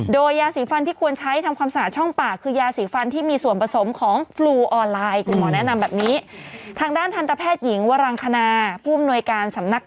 โดยยาสีฟันที่ควรใช้ทำความสะอาดช่องปาก